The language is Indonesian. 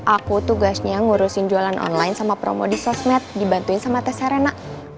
aku tugasnya ngurusin jualan online sama promo di sosmed dibantuin sama tes arena